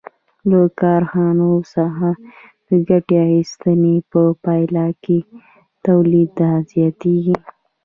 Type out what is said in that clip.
له کارخانو څخه د ګټې اخیستنې په پایله کې تولیدات زیاتېږي